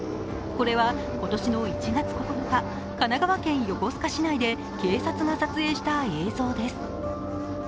これは今年の１月９日、神奈川県横須賀市内で警察が撮影した映像です。